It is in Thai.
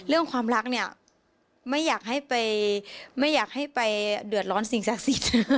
เรื่องความรักเนี่ยไม่อยากให้ไปเดือดร้อนสิ่งศักดิ์สิทธิ์